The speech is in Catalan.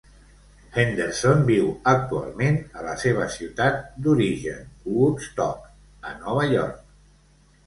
Henderson viu actualment a la seva ciutat d'origen, Woodstock, a Nova York.